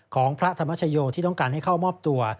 ของพระธรรมชโยที่ต้องการให้เข้ามอบตัว